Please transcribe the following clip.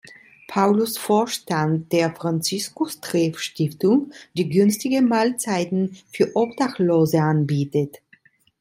Paulus Vorstand der Franziskustreff-Stiftung, die günstige Mahlzeiten für Obdachlose anbietet.